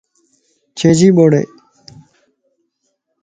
ڇي جي ٻوڙائي؟